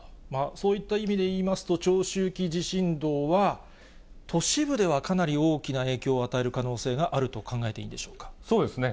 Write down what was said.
そういった意味でいいますと、長周期地震動は、都市部ではかなり大きな影響を与える可能性があると考えていいんそうですね。